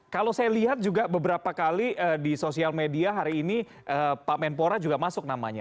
kalau saya lihat juga beberapa kali di sosial media hari ini pak menpora juga masuk namanya